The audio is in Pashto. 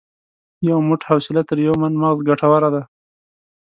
یو موټ حوصله تر یو من مغز ګټوره ده.